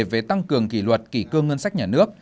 về tăng cường kỷ luật kỷ cương ngân sách nhà nước